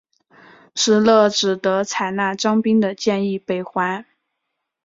石勒只得采纳张宾的建议北还。